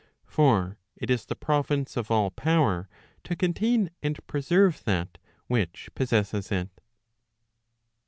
For it is the province of all power to contain and preserve that which possesses it.